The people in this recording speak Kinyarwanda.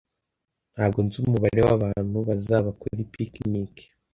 Ntabwo nzi umubare wabantu bazaba kuri picnic